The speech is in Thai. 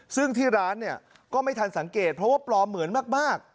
ซึ่งที่ร้านเนี่ยก็ไม่ทันสังเกตเพราะว่าปลอมเหมือนมาก